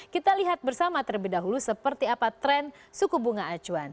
kita lihat bersama terlebih dahulu seperti apa tren suku bunga acuan